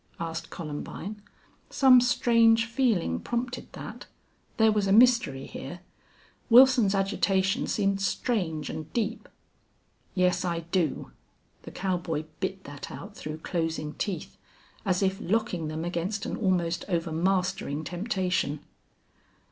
asked Columbine. Some strange feeling prompted that. There was a mystery here. Wilson's agitation seemed strange and deep. "Yes, I do." The cowboy bit that out through closing teeth, as if locking them against an almost overmastering temptation.